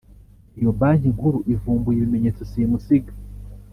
Iyo Banki Nkuru ivumbuye ibimenyetso simusiga